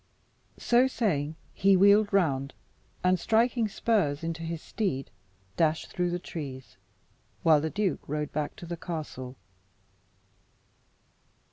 So saying he wheeled round, and striking spurs into his steed, dashed through the trees, while the duke rode back to the castle.